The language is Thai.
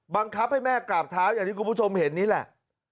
บังคับให้แม่กราบเท้าอย่างที่คุณผู้ชมเห็นนี่แหละ